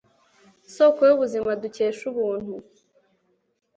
soko y'ubuzima dukesha ubuntu